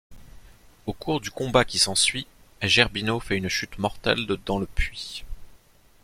Au cours du combat qui s'ensuit, Gerbino fait une chute mortelle dans le puits.